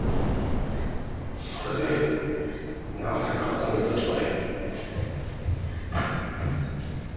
それで長崎からこの蝦夷地まで。